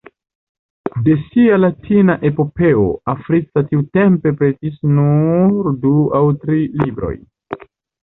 De sia Latina epopeo Africa tiutempe pretis nur du aŭ tri libroj.